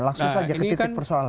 langsung saja ke titik persoalan